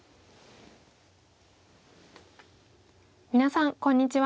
皆さんこんにちは。